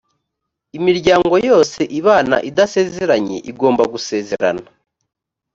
imiryango yose ibana idasezeranye igomba gusezerana